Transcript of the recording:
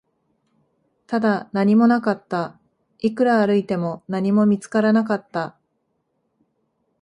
ただ、何もなかった、いくら歩いても、何も見つからなかった